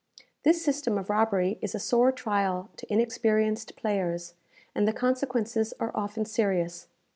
This system of robbery is a sore trial to inexperienced players, and the consequences are often serious.